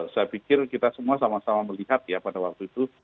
saya pikir kita semua sama sama melihat ya pada waktu itu